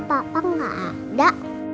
tapi papa nggak ada